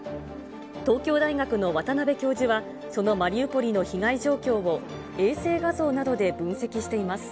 東京大学の渡邉教授は、そのマリウポリの被害状況を衛星画像などで分析しています。